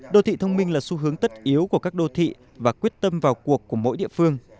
đô thị thông minh là xu hướng tất yếu của các đô thị và quyết tâm vào cuộc của mỗi địa phương